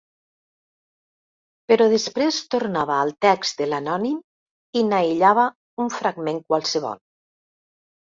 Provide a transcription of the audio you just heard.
Però després tornava al text de l'anònim i n'aïllava un fragment qualsevol.